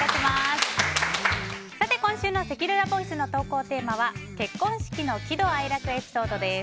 今週のせきららボイスの投稿テーマは結婚式の喜怒哀楽エピソードです。